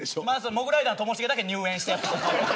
モグライダーのともしげだけ入園してた。